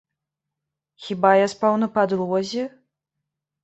Хіба я спаў на падлозе?